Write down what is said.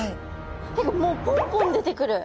もうポンポン出てくる。